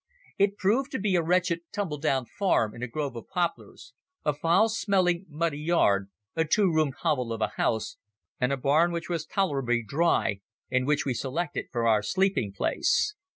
It proved to be a wretched tumble down farm in a grove of poplars—a foul smelling, muddy yard, a two roomed hovel of a house, and a barn which was tolerably dry and which we selected for our sleeping place.